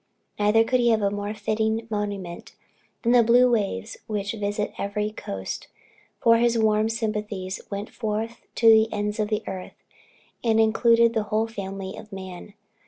Neither could he have a more fitting monument, than the blue waves which visit every coast; for his warm sympathies went forth to the ends of the earth, and included the whole family of man.